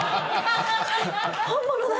本物だ！